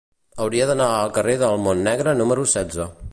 Hauria d'anar al carrer del Montnegre número setze.